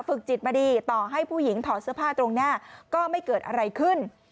จิตมาดีต่อให้ผู้หญิงถอดเสื้อผ้าตรงหน้าก็ไม่เกิดอะไรขึ้น